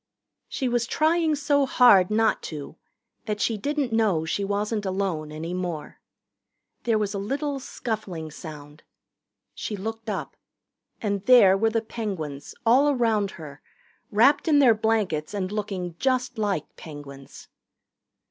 She was trying so hard not to that she didn't know she wasn't alone any more. There was a little scuffling sound. She looked up. And there were the Penguins, all around her, wrapped in their blankets and looking just like Penguins.